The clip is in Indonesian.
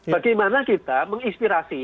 bagaimana kita menginspirasi